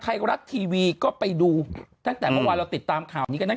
ไทยรัฐทีวีก็ไปดูตั้งแต่เมื่อวานเราติดตามข่าวนี้กันได้